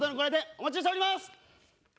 お待ちしております！